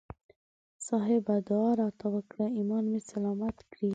صاحبه دعا راته وکړه ایمان مې سلامت کړي.